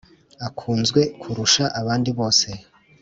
akunzwe kurusha abandi bose.